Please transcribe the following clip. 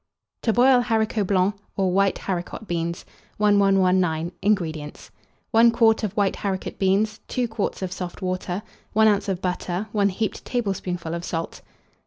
TO BOIL HARICOTS BLANCS, or WHITE HARICOT BEANS. 1119. INGREDIENTS. 1 quart of white haricot beans, 2 quarts of soft water, 1 oz. of butter, 1 heaped tablespoonful of salt.